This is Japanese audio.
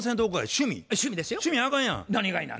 趣味あかんやん。